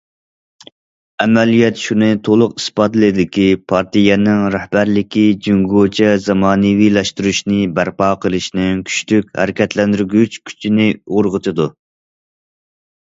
ئەمەلىيەت شۇنى تولۇق ئىسپاتلىدىكى، پارتىيەنىڭ رەھبەرلىكى جۇڭگوچە زامانىۋىلاشتۇرۇشنى بەرپا قىلىشنىڭ كۈچلۈك ھەرىكەتلەندۈرگۈچ كۈچىنى ئۇرغۇتىدۇ.